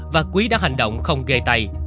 và quý đã hành động không ghê tay